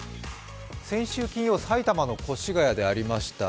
先週金曜、埼玉の越谷でありました